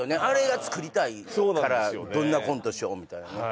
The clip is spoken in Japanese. あれが作りたいからどんなコントしようみたいな